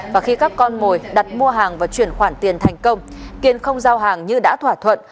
và khi các con mồi đặt mua hàng và chuyển khoản tiền thành công kiên không giao hàng như đã thỏa thuận